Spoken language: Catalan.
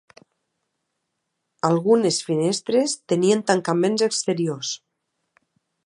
Algunes finestres tenien tancaments exteriors.